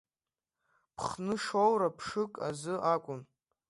Ԥхны шоура мшык азы акәын.